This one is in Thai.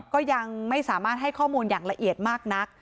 ก็ยังไม่สามารถให้ข้อมูลอย่างละเอียดมากนัก